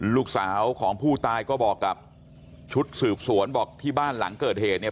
ลูกสาวของผู้ตายก็บอกกับชุดสืบสวนบอกที่บ้านหลังเกิดเหตุเนี่ย